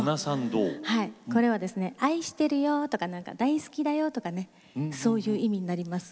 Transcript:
これはですね愛してるよとか大好きだよとかねそういう意味になります。